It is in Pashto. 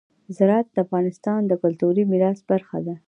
زراعت د افغانستان د کلتوري میراث برخه ده.